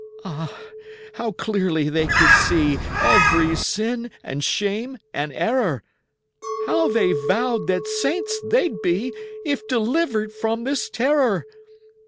Ah, how clearly they could see Every sin and shame and error! How they vowed that saints they'd be, If delivered from this terror!